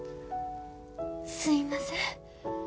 すいません